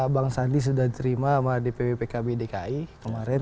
bang sandi sudah diterima oleh dpw pkb dki kemarin